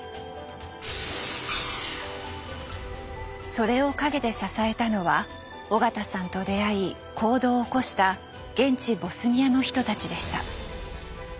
それを陰で支えたのは緒方さんと出会い行動を起こした現地ボスニアの人たちでした。